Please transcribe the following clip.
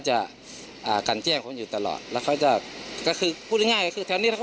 จนใดเจ้าของร้านเบียร์ยิงใส่หลายนัดเลยค่ะ